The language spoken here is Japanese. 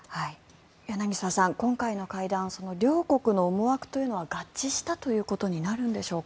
柳澤さん、今回の会談両国の思惑というのは合致したということになるんでしょうか。